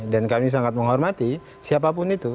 dan kami sangat menghormati siapapun itu